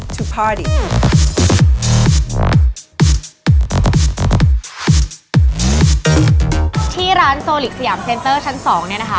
ที่ร้านโซลิกสยามเซ็นเตอร์ชั้น๒เนี่ยนะคะ